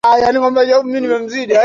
Mtumainie Bwana.